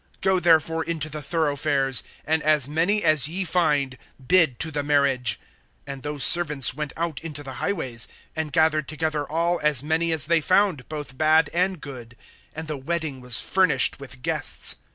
(9)Go therefore into the thoroughfares, and as many as ye find, bid to the marriage. (10)And those servants went out into the highways, and gathered together all as many as they found, both bad and good; and the wedding was furnished with guests.